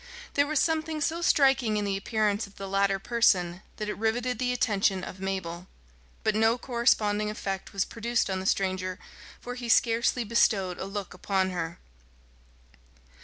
There was something so striking in the appearance of the latter person, that it riveted the attention of Mabel. But no corresponding effect was produced on the stranger, for he scarcely bestowed a look upon her.